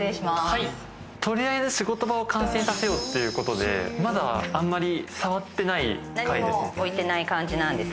取りあえず仕事場を完成させようっていうことでまだあんまり触ってない階です。